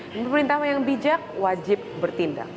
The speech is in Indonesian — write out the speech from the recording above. dan pemerintah yang bijak wajib bertindak